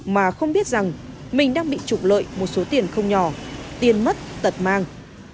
mà không biết rằng mình đang bị trục lợi một số tiền không nhỏ tiền mất tật mang